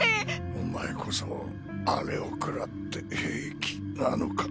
お前こそあれをくらって平気なのか？